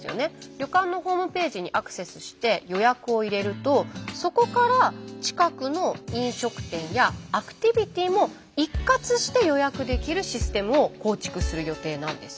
旅館のホームページにアクセスして予約を入れるとそこから近くの飲食店やアクティビティも一括して予約できるシステムを構築する予定なんです。